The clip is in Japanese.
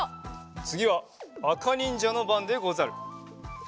つぎはあかにんじゃのばんでござる。